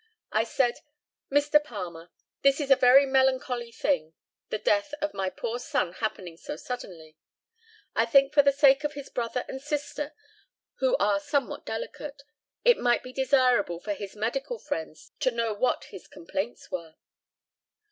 I said, "Mr. Palmer, this is a very melancholy thing, the death of my poor son happening so suddenly; I think for the sake of his brother and sister, who are somewhat delicate, it might be desirable for his medical friends to know what his complaints were."